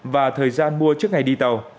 và thời gian mua trước ngày đi tàu